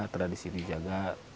tradisi yang dijaga